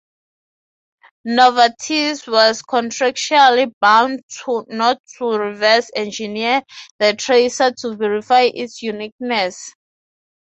Novartis was contractually bound not to reverse-engineer the tracer to verify its uniqueness.